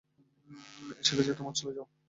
এসে গেছে, তোমরা চলে যাও।